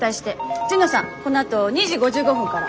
このあと２時５５分から。